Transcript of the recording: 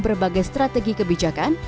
berbagai strategi kebijakan